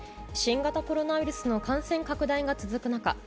新型コロナウイルスの感染拡大が続く中